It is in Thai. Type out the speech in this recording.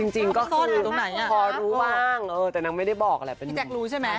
จริงก็คือพอรู้บ้างแต่น้องไม่ได้บอกแหละเป็นหนุ่มพี่เจ๊กรู้ใช่ไหม